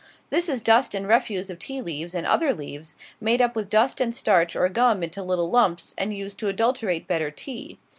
This is dust and refuse of tea leaves and other leaves, made up with dust and starch or gum into little lumps, and used to adulterate better tea.